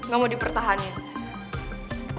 gak mau dipertahankan